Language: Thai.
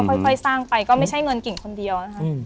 ก็ค่อยสร้างไปก็ไม่ใช่เงินกินคนเดียว